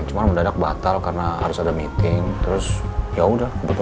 cuman mendadak batal karena harus ada meeting terus yaudah harddup harddup